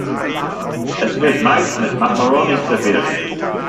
Es wird meist mit Makkaroni serviert.